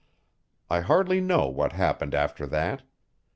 I hardly know what happened after that.